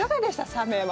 サメは。